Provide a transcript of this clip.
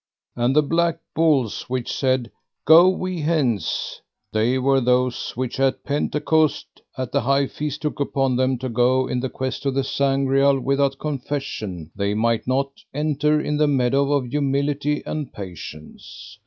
And the black bulls which said: Go we hence, they were those which at Pentecost at the high feast took upon them to go in the quest of the Sangreal without confession: they might not enter in the meadow of humility and patience.